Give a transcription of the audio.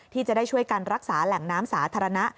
ที่จะได้ช่วยกันรักษาแหล่งน้ำสาธารณะ